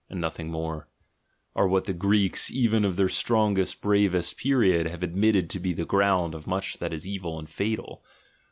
and nothing more, are what the Greeks, even of the strongest, bravest period, have admitted to be the ground of much that is evil and fatal.